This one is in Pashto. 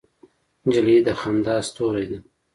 نجلۍ د خندا ستورې ده.